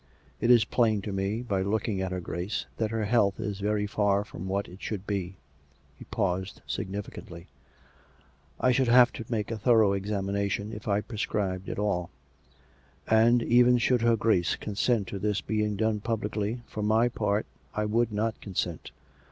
It is plain to me, by looking at her Grace, that her health is very far from what it should be —" (he paused significantly) —" I should have to make a thorough examination, if I prescribed at all; and, even should her Grace consent to this being done publicly, for my part I would not consent.